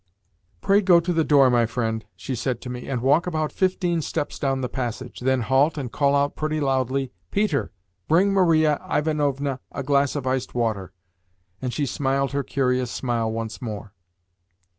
Pray go to the door, my friend," she said to me, "and walk about fifteen steps down the passage. Then halt and call out pretty loudly, 'Peter, bring Maria Ivanovna a glass of iced water'" and she smiled her curious smile once more.